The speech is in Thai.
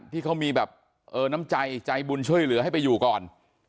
ที่เขามีแบบน้ำใจใจบุญช่วยเหลือให้ไปอยู่ก่อน